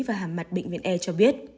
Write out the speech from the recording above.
và hàm mặt bệnh viện e cho biết